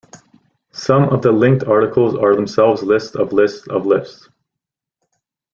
Some of the linked articles are themselves lists of lists of lists.